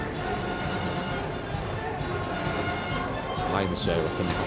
前の試合は先発